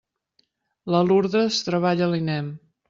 La Lurdes treballa a l'INEM.